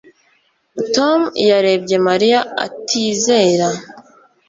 Tom yarebye Mariya atizera